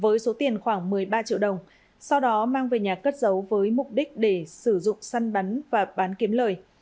với số tiền khoảng một mươi ba triệu đồng sau đó mang về nhà cất giấu với mục đích để sử dụng săn bắn và bán kiếm lời